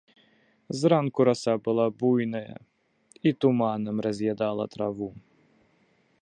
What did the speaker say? Зранку раса была буйная, і туманам раз'ядала траву.